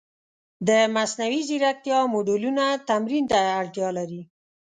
د مصنوعي ځیرکتیا موډلونه تمرین ته اړتیا لري.